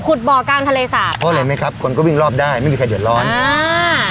บ่อกลางทะเลสาบเพราะอะไรไหมครับคนก็วิ่งรอบได้ไม่มีใครเดือดร้อนอ่า